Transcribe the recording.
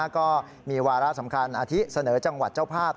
ก็มีวาระสำคัญอาทิตเสนอจังหวัดเจ้าภาพ